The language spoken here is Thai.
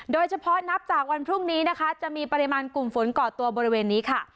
เฉพาะนับจากวันพรุ่งนี้นะคะจะมีปริมาณกลุ่มฝนก่อตัวบริเวณนี้ค่ะ